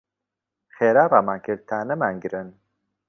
خێرا ڕامان کرد تا نەمانگرن.